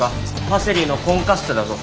パセリのコンカッセだぞ。